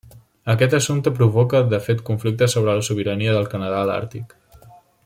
Aquest assumpte provoca de fet conflictes sobre la sobirania del Canadà a l'Àrtic.